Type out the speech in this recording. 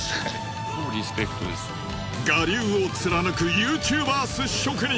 我流を貫くＹｏｕＴｕｂｅｒ鮨職人！